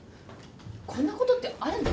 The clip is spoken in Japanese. こんなことってあるの？